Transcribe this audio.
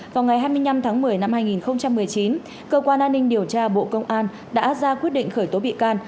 vào ngày hai mươi năm tháng một mươi năm hai nghìn một mươi chín cơ quan an ninh điều tra bộ công an đã ra quyết định khởi tố bị can